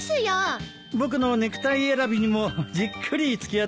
僕のネクタイ選びにもじっくり付き合ってくれました。